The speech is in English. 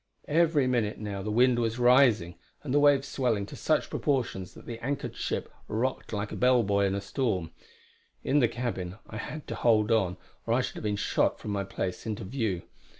Every minute now the wind was rising, and the waves swelling to such proportions that the anchored ship rocked like a bell buoy in a storm. In the cabin I had to hold on, or I should have been shot from my place into view.